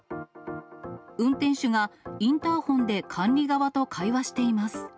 運転手がインターホンで管理側と会話しています。